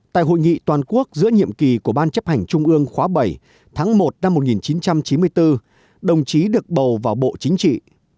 tại hội nghị toàn quốc giữa nhiệm kỳ của ban chấp hành trung ương khóa bảy tháng một năm một nghìn chín trăm chín mươi bốn đồng chí được bầu vào bộ chính trị